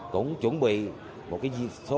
cũng chuẩn bị một số lượng diện tích lớn